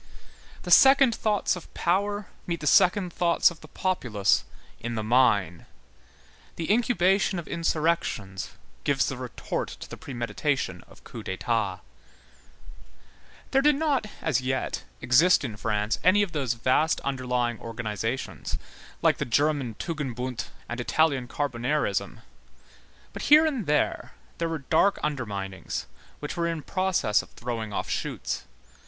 The second thoughts of power meet the second thoughts of the populace in the mine. The incubation of insurrections gives the retort to the premeditation of coups d'état. There did not, as yet, exist in France any of those vast underlying organizations, like the German tugendbund and Italian Carbonarism; but here and there there were dark underminings, which were in process of throwing off shoots.